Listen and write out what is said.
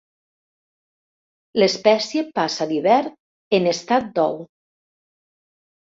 L'espècie passa l'hivern en estat d'ou.